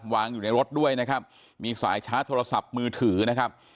วางอยู่ในรถด้วยนะครับมีสายชาร์จโทรศัพท์มือถือนะครับ